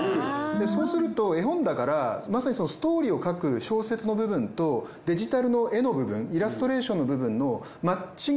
そうすると絵本だからまさにストーリーを描く小説の部分とデジタルの絵の部分イラストレーションの部分のマッチング。